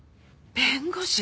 弁護士！？